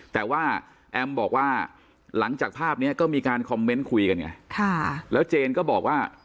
แต่ว่าแอมบอกว่าหลังจากภาพนี้ก็มีการคอมเมนต์คุยกันไงแล้วเจนก็บอกว่า